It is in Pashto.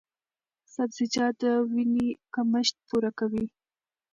سبزیجات د وینې کمښت پوره کوي۔